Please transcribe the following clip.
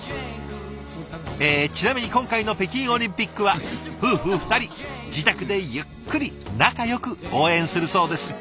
えちなみに今回の北京オリンピックは夫婦２人自宅でゆっくり仲よく応援するそうです。